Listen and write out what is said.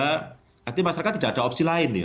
nanti masyarakat tidak ada opsi lain nih